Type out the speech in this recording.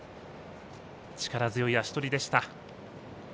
力強い足取りでした。